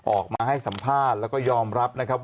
ออกมาให้สัมภาษณ์แล้วก็ยอมรับนะครับ